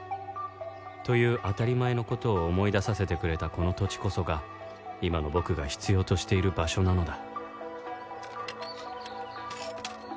という当たり前の事を思い出させてくれたこの土地こそが今の僕が必要としている場所なのだ